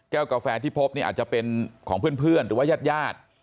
กาแฟที่พบเนี่ยอาจจะเป็นของเพื่อนหรือว่ายาด